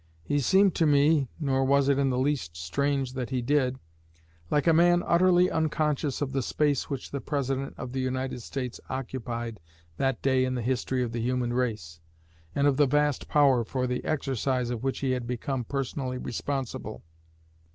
He seemed to me, nor was it in the least strange that he did, like a man utterly unconscious of the space which the President of the United States occupied that day in the history of the human race, and of the vast power for the exercise of which he had become personally responsible.